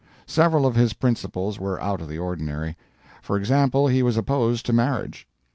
Several of his principles were out of the ordinary. For example, he was opposed to marriage.